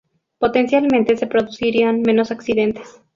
Potencialmente se producirían menos accidentes.